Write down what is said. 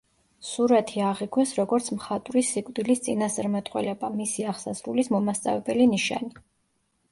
სურათი აღიქვეს როგორც მხატვრის სიკვდილის წინასწარმეტყველება, მისი აღსასრულის მომასწავლებელი ნიშანი.